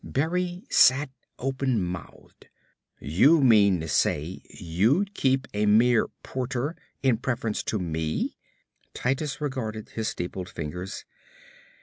Berry sat openmouthed. "You mean to say you'd keep a mere porter in preference to me?" Titus regarded his steepled fingers.